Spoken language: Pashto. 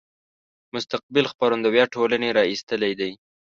مستقبل خپرندويه ټولنې را ایستلی دی.